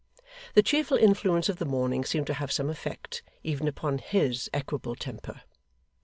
The cheerful influence of the morning seemed to have some effect, even upon his equable temper.